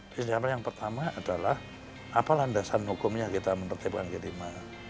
prinsip dasar yang pertama adalah apa landasan hukum yang kita menertibkan kelima